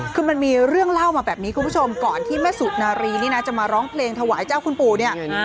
คือมันมีเรื่องเล่ามาแบบนี้คุณผู้ชมก่อนที่แม่สุนารีนี่นะจะมาร้องเพลงถวายเจ้าคุณปู่เนี่ย